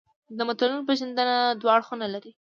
د متلونو پېژندنه دوه اړخونه لري